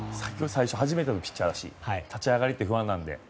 初めてのピッチャーだし立ち上がりって不安なので。